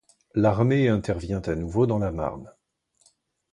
L'armée intervient à nouveau dans la Marne.